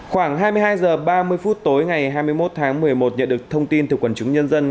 khoảng hai mươi hai h ba mươi phút tối ngày hai mươi một tháng một mươi một nhận được thông tin từ quần chúng nhân dân